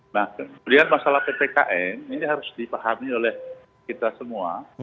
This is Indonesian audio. nah kemudian masalah ppkm ini harus dipahami oleh kita semua